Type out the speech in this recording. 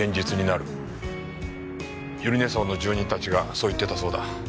百合根荘の住人たちがそう言ってたそうだ。